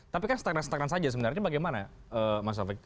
tapi kan setakat setakat saja sebenarnya bagaimana mas sofi